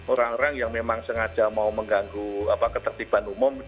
orang orang yang memang sengaja mau mengganggu ketertiban umum